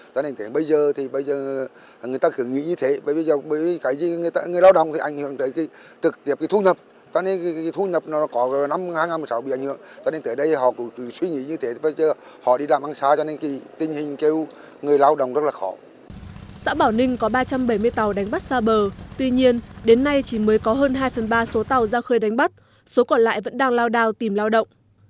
xã bảo ninh có ba trăm bảy mươi tàu đánh bắt xa bờ tuy nhiên đến nay chỉ mới có hơn hai phần ba số tàu ra khơi đánh bắt số còn lại vẫn đang lao đào tìm lao động